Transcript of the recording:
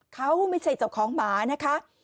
เขาไม่ใช่เจ้าของหมานะคะ